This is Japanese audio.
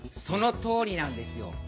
そのとおりなんですよ。